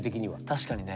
確かにね。